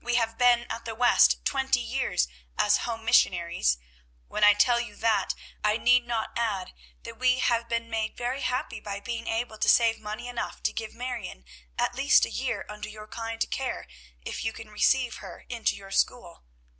We have been at the West twenty years as Home Missionaries. When I tell you that, I need not add that we have been made very happy by being able to save money enough to give Marion at least a year under your kind care, if you can receive her into your school.